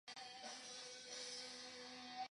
发射器的瞄准具安装在照门座以上。